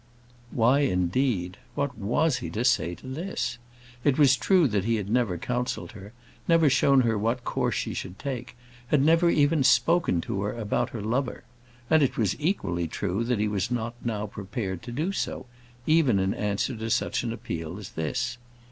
Why, indeed? What was he to say to this? It was true that he had never counselled her; never shown her what course she should take; had never even spoken to her about her lover. And it was equally true that he was not now prepared to do so, even in answer to such an appeal as this.